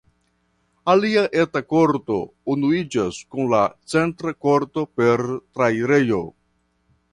Alia eta korto unuiĝas kun la centra korto per trairejo.